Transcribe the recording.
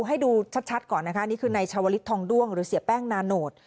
ให้ดูชัดก่อนนะคะนี่คือในชาวลิศทองด้วงหรือเสียแป้งนาโนต